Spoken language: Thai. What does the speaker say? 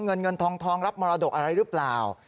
เงินเงินทองรับมรดกอะไรหรือเปล่า